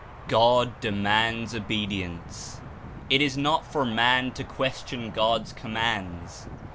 God demands obedience. It is not for man to question God's commands.